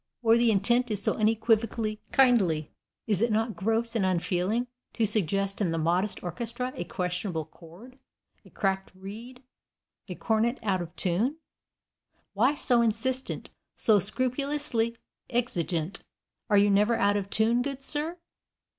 Where the intent is so unequivocally kindly, is it not gross and unfeeling to suggest in the modest orchestra a questionable chord, a cracked reed, a cornet out of tune? Why so insistent, so scrupulously exigent? Are you never out of tune, good sir?